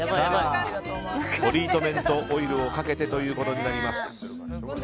トリートメントオイルをかけてということになります。